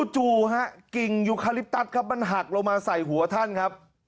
จู่ฮะกิ่งยูคาลิปตัสครับมันหักลงมาใส่หัวท่านครับ